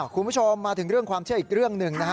คุณผู้ชมมาถึงเรื่องความเชื่ออีกเรื่องหนึ่งนะฮะ